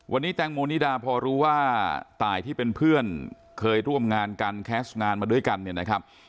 วันนี้แตงโมนิดาพอรู้ว่าตายที่เป็นเพื่อนเคยร่วมงานกันแคสต์งานมาด้วยกันเนี่ยนะครับ